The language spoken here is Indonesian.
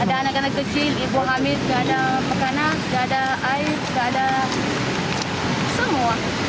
ada anak anak kecil ibu hamil nggak ada makanan gak ada air nggak ada semua